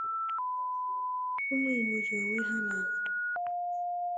Umu-Igbo ji onwe ha n'ala!